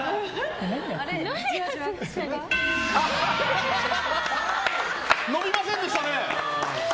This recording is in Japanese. ああ伸びませんでしたね。